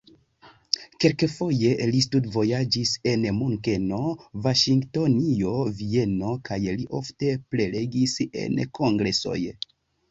Kelkfoje li studvojaĝis en Munkeno, Vaŝingtonio, Vieno kaj li ofte prelegis en kongresoj.